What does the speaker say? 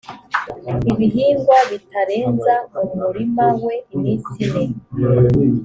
ibihingwa bitarenza mu murima we iminsi ine